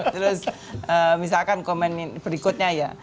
terus misalkan komen berikutnya ya